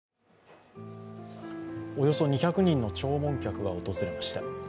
およそ２００人の弔問客が訪れました。